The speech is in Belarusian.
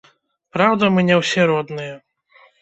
Праўда, мы не ўсе родныя.